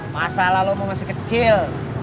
masalah lo mau masih kecil